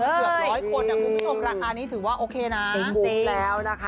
แล้วคือทั้งวงเกือบ๑๐๐คนราคานี้ถือว่าโอเคนะ